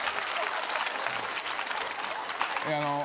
いやあのう。